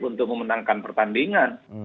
untuk memenangkan pertandingan